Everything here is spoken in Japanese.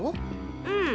うん。